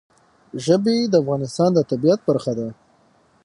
ژبې د افغانستان د طبیعت برخه ده.